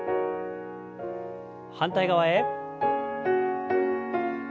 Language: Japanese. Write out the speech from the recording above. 反対側へ。